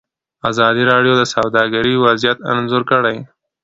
ازادي راډیو د سوداګري وضعیت انځور کړی.